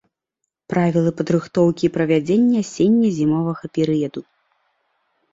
Правілы падрыхтоўкі і правядзення асенне-зімовага перыяду.